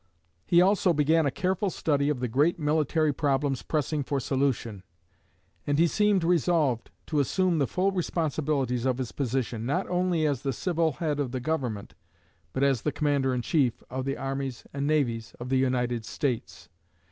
He also began a careful study of the great military problems pressing for solution; and he seemed resolved to assume the full responsibilities of his position, not only as the civil head of the Government but as the commander in chief of the armies and navies of the United States.